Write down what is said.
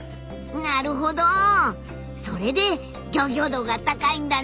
なるほどそれでギョギョ度が高いんだね。